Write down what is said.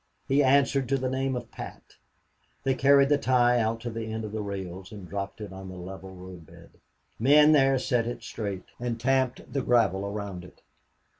He answered to the name of Pat. They carried the tie out to the end of the rails and dropped it on the level road bed. Men there set it straight and tamped the gravel around it.